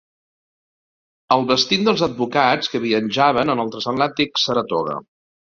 El vestit dels advocats que viatjaven en el transatlàntic Saratoga.